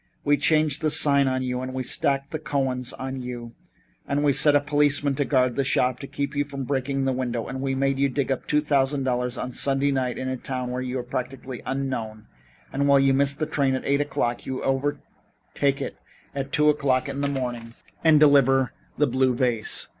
We changed the sign on you and we stacked the Cohens on you and we set a policeman to guard the shop to keep you from breaking the window, and we made you dig up two thousand dollars on Sunday night in a town where you are practically unknown, and while you missed the train at eight o'clock, you overtake it at two o'clock in the morning and deliver the blue vase.